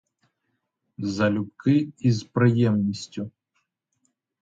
Залюбки і з приємністю.